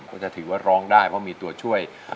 ก็จะถือว่าร้องได้เพราะมีตัวช่วย